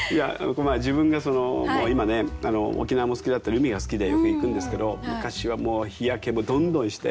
自分が今ね沖縄も好きだったり海が好きでよく行くんですけど昔はもう日焼けもどんどんして。